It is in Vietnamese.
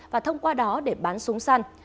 và thông qua đó để bán súng săn